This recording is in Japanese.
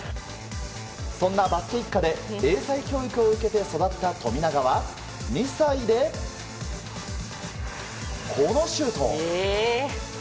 そんなバスケ一家で英才教育を受けて育った富永は２歳で、このシュート！